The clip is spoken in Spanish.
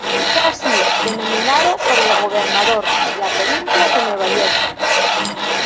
Fue así denominado por el gobernador de la provincia de Nueva Jersey.